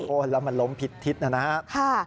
โค้นแล้วมันล้มพิษทิศนะฮะค่ะ